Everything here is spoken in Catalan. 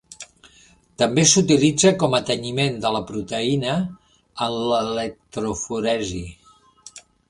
També s'utilitza com a tenyiment de la proteïna en l'electroforesi.